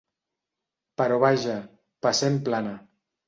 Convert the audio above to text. Però vaja, passem plana.